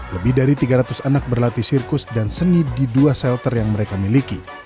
lebih dari tiga ratus anak berlatih sirkus dan seni di dua shelter yang mereka miliki